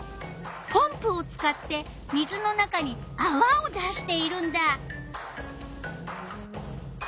ポンプを使って水の中にあわを出しているんだ。